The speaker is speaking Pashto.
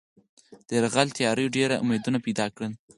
د یرغل تیاریو ډېر امیدونه پیدا کړل.